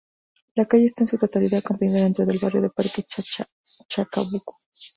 La calle está en su totalidad comprendida dentro del Barrio de Parque Chacabuco.